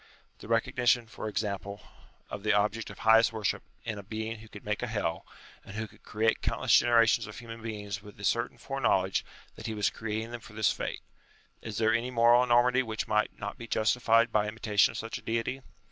The recognition, for example, of the object of highest worship, in a 114 UTILITY OF RELIGION being who could make a Hell ; and who could create countless generations of human beings with the certain foreknowledge that he was creating them for this fate. Is there any moral enormity which might not be justified by imitation of such a Deity